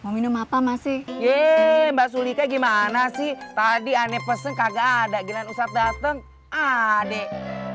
minum apa masih ye mbak sulika gimana sih tadi aneh pesen kagak ada gilang usap dateng adek